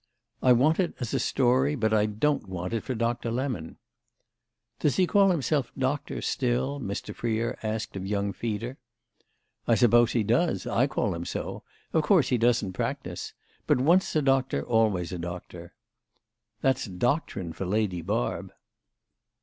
"I want it as a story, but I don't want it for Doctor Lemon." "Does he call himself 'Doctor' still?" Mr. Freer asked of young Feeder. "I suppose he does—I call him so. Of course he doesn't practise. But once a doctor always a doctor." "That's doctrine for Lady Barb!"